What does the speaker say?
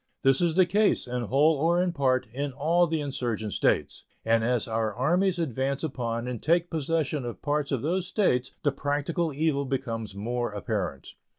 This is the case, in whole or in part, in all the insurgent States; and as our armies advance upon and take possession of parts of those States the practical evil becomes more apparent.